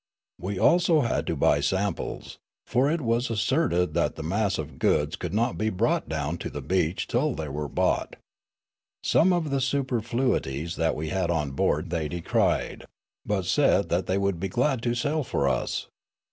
We had also to buy by samples; for it was asserted that the mass of goods could not be brought down to the beach till they were bought. Some of the superfluities that we had on board thej' decried, but said that they would be glad to sell for us.